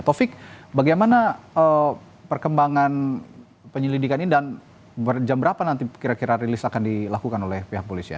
taufik bagaimana perkembangan penyelidikan ini dan jam berapa nanti kira kira rilis akan dilakukan oleh pihak polisian